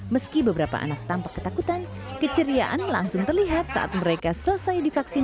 meski beberapa anak tampak ketakutan keceriaan langsung terlihat saat mereka selesai divaksin